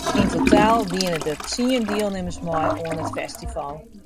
Yn totaal diene der tsien dielnimmers mei oan it festival.